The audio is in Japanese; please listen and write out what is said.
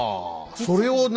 それを何？